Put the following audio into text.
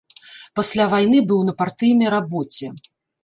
Пасля вайны быў на партыйнай рабоце.